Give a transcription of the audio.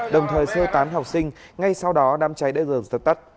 đồng thời sơ tán học sinh ngay sau đó đám cháy đã dần dập tắt